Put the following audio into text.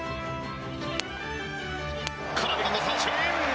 空振りの三振！